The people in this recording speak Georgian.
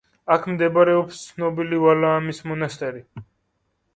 აქ მდებარეობს ცნობილი ვალაამის მონასტერი.